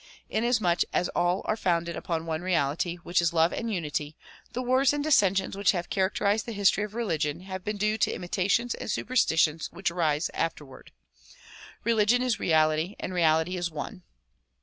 Inasmuch as all are founded upon one reality which is love and unity, the wars and dissensions which have char acterized the history of religion have been due to imitations and superstitions which arise afterward. Religion is reality and reality is one.